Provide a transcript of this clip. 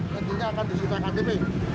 tentunya akan disitakan ktp